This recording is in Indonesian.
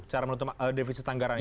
cara menutup defisit anggaran ini